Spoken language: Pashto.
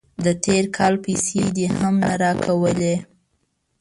د تیر کال پیسې دې هم نه راکولې.